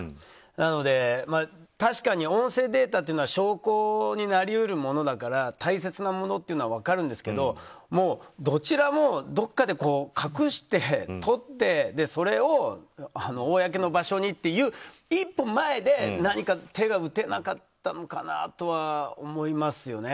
なので確かに音声データというのは証拠になり得るものだから大切なものっていうのは分かるんですけどもうどちらもどこかで隠してとってそれを公の場所にっていう一歩前で何か手が打てなかったのかなとは思いますよね。